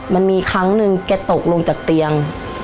มันมีครั้งหนึ่งแกตกลงจากเตียง